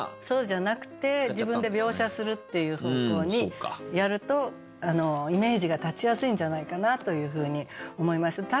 そうじゃなくて自分で描写するっていう方向にやるとイメージが立ちやすいんじゃないかなというふうに思います。